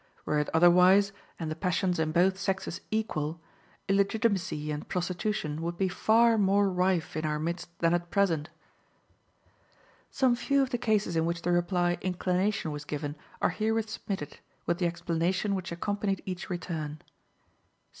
Were it otherwise, and the passions in both sexes equal, illegitimacy and prostitution would be far more rife in our midst than at present. Some few of the cases in which the reply "Inclination" was given are herewith submitted, with the explanation which accompanied each return.